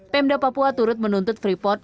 pemda papua turut menuntut freeport